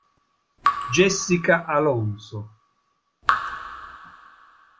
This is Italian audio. Jessica Alonso